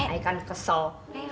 air kan kesel